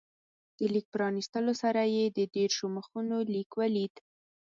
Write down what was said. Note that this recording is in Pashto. د لیک پرانستلو سره یې د دېرشو مخونو لیک ولید.